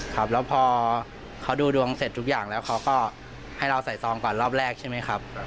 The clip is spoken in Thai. ครับแล้วพอเขาดูดวงเสร็จทุกอย่างแล้วเขาก็ให้เราใส่ซองก่อนรอบแรกใช่ไหมครับ